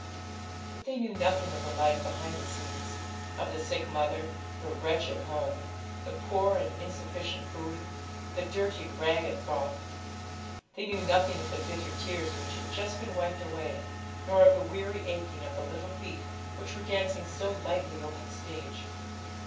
But they knew nothing of the life behind the scenes; of the sick mother, the wretched home, the poor and insufficient food, the dirty, ragged frock. They knew nothing of the bitter tears which had just been wiped away, nor of the weary aching of the little feet which were dancing so lightly over the stage.